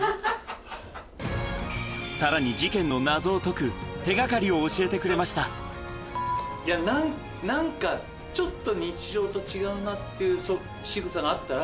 さらに事件の謎を解く手がかなんか、ちょっと日常と違うなっていうしぐさがあったら、